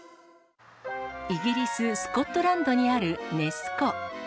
イギリス・スコットランドにあるネス湖。